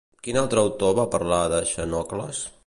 Quin altre autor va parlar de Xenocles?